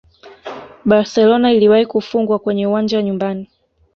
barcelona iliwahi kufungwa kwenye uwanja nyumbani